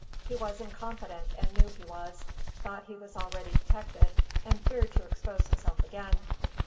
He was incompetent and knew he was; thought he was already detected, and feared to expose himself again.